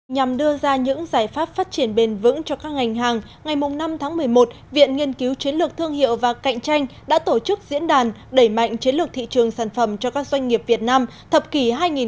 nhằm đưa ra những giải pháp phát triển bền vững cho các ngành hàng ngày năm tháng một mươi một viện nghiên cứu chiến lược thương hiệu và cạnh tranh đã tổ chức diễn đàn đẩy mạnh chiến lược thị trường sản phẩm cho các doanh nghiệp việt nam thập kỷ hai nghìn hai mươi hai nghìn hai mươi